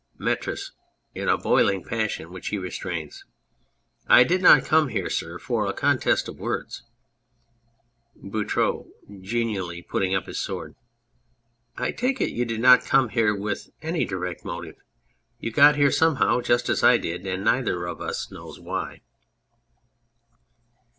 METRIS (in a boiling passion, which he restrains). I did not come here, sir, for a contest of words. BOUTROUX (genially, putting vp his sword). I take it you did not come here with any direct motive. You got here somehow, just as I did, and neither of us knows why.